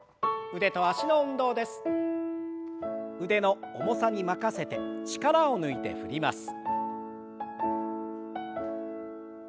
腕の重さに任せて力を抜いて振ります。